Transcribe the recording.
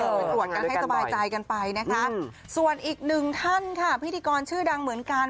ไปตรวจกันให้สบายใจกันไปนะคะส่วนอีกหนึ่งท่านค่ะพิธีกรชื่อดังเหมือนกัน